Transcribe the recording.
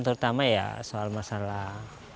terutama ya soal masalah